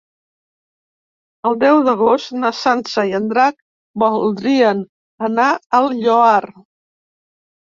El deu d'agost na Sança i en Drac voldrien anar al Lloar.